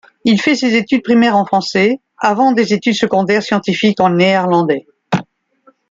Il fait ses études primaires en français, avant des études secondaires scientifiques en néerlandais.